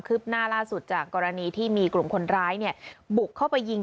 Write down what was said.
หน้าล่าสุดจากกรณีที่มีกลุ่มคนร้ายเนี่ยบุกเข้าไปยิง